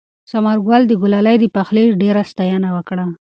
ثمرګل د ګلالۍ د پخلي ډېره ستاینه وکړه.